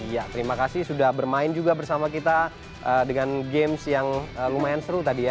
ya terima kasih sudah bermain juga bersama kita dengan games yang lumayan seru tadi ya